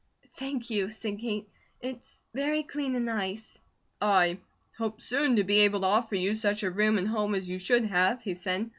"Thank you," said Kate. "It's very clean and nice." "I hope soon to be able to offer you such a room and home as you should have," he said.